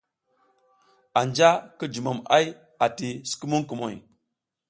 Anja ki jumom ay ati sukumuŋ kumoy.